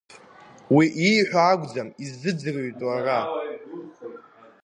Уи ииҳәо акәӡам иззыӡҩртәу ара…